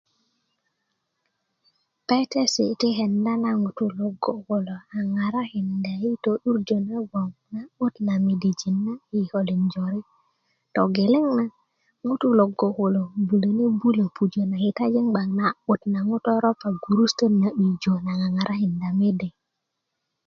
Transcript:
petesi ti kenda na ŋutu lo go kulo a ŋarakinda i tö'durjö na'but na midijik jöre togeleŋ na ŋutu logo kulo bulönbulö pujö na kitajin 'bgak na 'but nagon ŋutu röröpa gurusutöt nagon ŋaŋarakinda mede